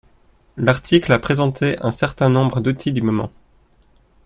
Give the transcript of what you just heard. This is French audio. L'article a présenté un certain nombres d'outils du moment